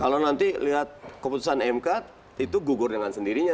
kalau nanti lihat keputusan mk itu gugur dengan sendirinya